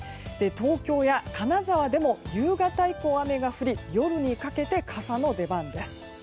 東京や金沢でも夕方以降、雨が降り夜にかけて傘の出番です。